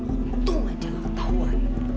untung aja lo ketawa